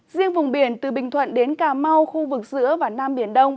riêng vùng biển từ bình thuận đến cà mau khu vực giữa và nam biển đông